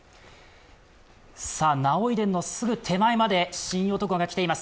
儺追殿のすぐ手前まで神男が来ています。